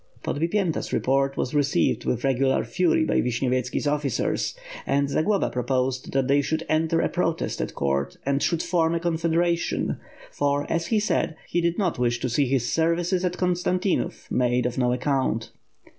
Podbipyenta's report was received with regular fury by Vishnyoveyetski's officers, and Zagloba proposed that they should enter a protest at court and should form a confeder ation; for, as he said, he did not wish to see his services at Konstantinov made of no account.